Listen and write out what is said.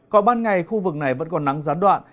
còn ban ngày khu vực này vẫn còn nắng gián đoạn